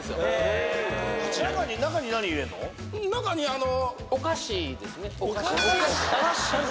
中にあの。